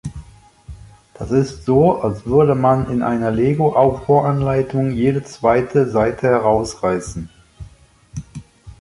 Das ist so, als würde man in einer Lego-Aufbauanleitung jede zweite Seite herausreißen.